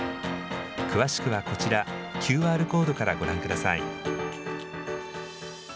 詳しくはこちら、ＱＲコードからご覧ください。